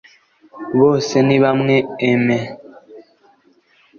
Bosenibamwe Aime